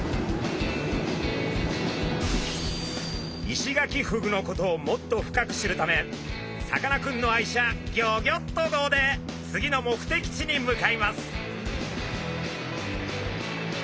イシガキフグのことをもっと深く知るためさかなクンの愛車ギョギョッと号で次の目的地に向かいます。